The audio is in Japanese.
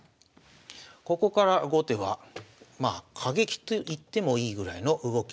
ここから後手は過激といってもいいぐらいの動きに出ます。